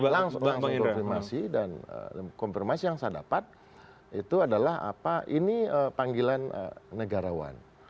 langsung langsung konfirmasi dan konfirmasi yang saya dapat itu adalah apa ini panggilan negarawan